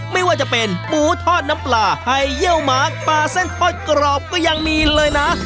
ไม่ว่าจะเป็นหมูทอดน้ำปลาไฮเยี่ยวหมากปลาเส้นทอดกรอบก็ยังมีเลยนะ